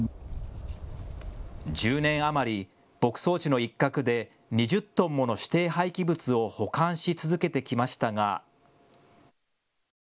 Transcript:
１０年余り、牧草地の一角で２０トンもの指定廃棄物を保管し続けてきましたが。